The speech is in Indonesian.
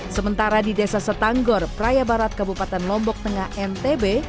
sementara di desa setanggor praya barat kabupaten lombok tengah ntb